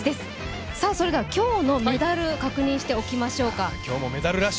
それでは今日のメダル確認しておきましょうか。